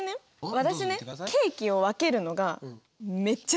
私ねケーキを分けるのがめっちゃ得意なの。